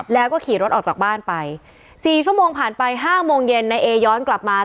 แล้วก็ขี่รถออกจากบ้านไป๔ชั่วโมงผ่านไป๕โมงเย็นนายเอย้อนกลับมา